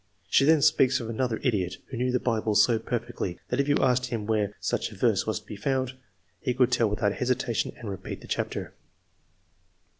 She then speaks of " another idiot who knew the Bible so per fectly, that if you asked him where such a verse was to be found, he could tell without hesitation and repeat the chapter."